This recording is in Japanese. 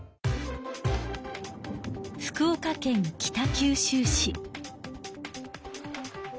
福岡県北九州市。